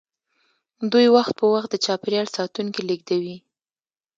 دوی وخت په وخت د چاپیریال ساتونکي لیږدوي